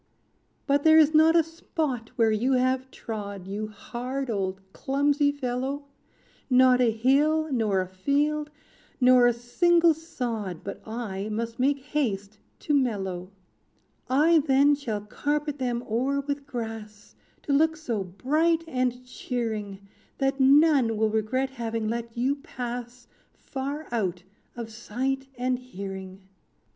"But there is not a spot where you have trod. You hard, old clumsy fellow, Not a hill, nor a field, nor a single sod, But I must make haste to mellow. "I then shall carpet them o'er with grass, To look so bright and cheering, That none will regret having let you pass Far out of sight and hearing.